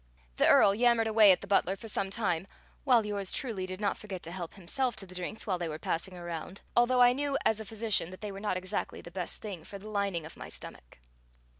The Earl yammered away at the butler for some time, while yours truly did not forget to help himself to the drinks while they were passing around, although I knew as a physician that they were not exactly the best thing for the lining of my stomach.